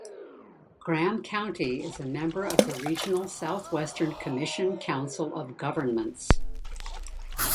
Graham County is a member of the regional Southwestern Commission council of governments.